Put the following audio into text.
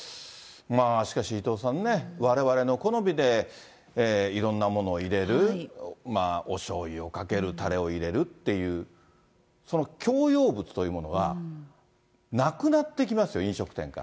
しかし、伊藤さんね、われわれの好みでいろんなものを入れる、おしょうゆをかける、たれを入れるっていう、その共用物というものは、なくなっていきますよ、飲食店から。